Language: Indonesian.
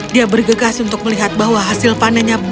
dia bergegas untuk melihat bahwa hasil kebakaran itu tidak berhasil